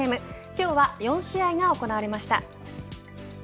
今日は４試合が行われました。